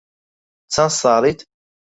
چەند ساڵیت؟